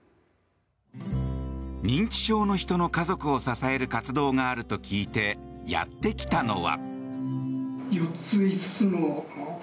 認知症の人の家族を支える活動があると聞いてやってきたのは。